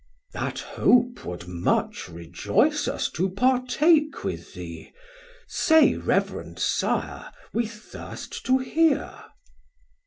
Chor: That hope would much rejoyce us to partake With thee; say reverend Sire, we thirst to hear.